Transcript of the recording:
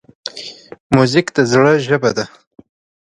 موزیک د زړه ژبه ده.